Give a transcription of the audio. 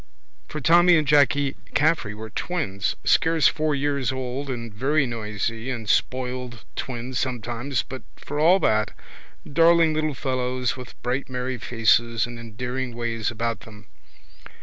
For Tommy and Jacky Caffrey were twins, scarce four years old and very noisy and spoiled twins sometimes but for all that darling little fellows with bright merry faces and endearing ways about them.